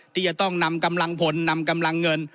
ที่จะต้องนำกำลังพลนำกำลังเงิน